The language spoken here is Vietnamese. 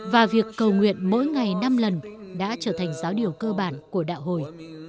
và việc cầu nguyện mỗi ngày năm lần đã trở thành giáo điều cơ bản của đạo hồi